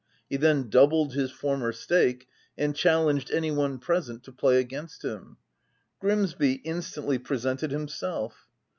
He then doubled his former stake, and challenged any one present to play against him. Grimsby instantly presented himself.